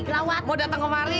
tangan gorilla mau dateng kemari